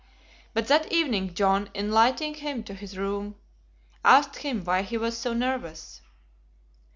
But that evening, John, in lighting him to his room, asked him why he was so nervous.